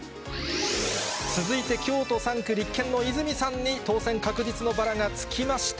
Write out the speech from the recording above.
続いて、京都３区、立憲の泉さんに当選確実のバラがつきました。